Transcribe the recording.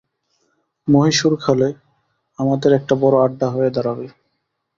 মহীশূর কালে আমাদের একটা বড় আড্ডা হয়ে দাঁড়াবে।